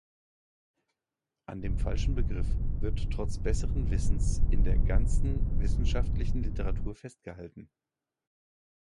An dem falschen Begriff wird trotz besseren Wissens in der ganzen wissenschaftlichen Literatur festgehalten.